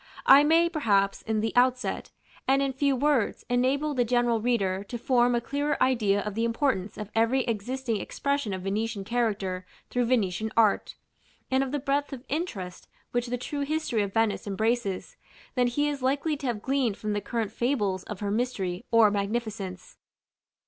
I may, perhaps, in the outset, and in few words, enable the general reader to form a clearer idea of the importance of every existing expression of Venetian character through Venetian art, and of the breadth of interest which the true history of Venice embraces, than he is likely to have gleaned from the current fables of her mystery or magnificence.